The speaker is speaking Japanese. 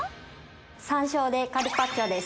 山椒でカルパッチョです。